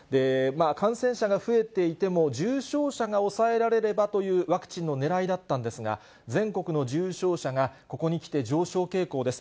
感染者が増えていても、重症者が抑えられればというワクチンのねらいだったんですが、全国の重症者がここに来て上昇傾向です。